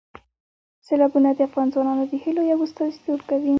سیلابونه د افغان ځوانانو د هیلو یو استازیتوب کوي.